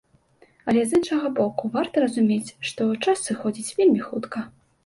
Але з іншага боку, варта разумець, што час сыходзіць вельмі хутка.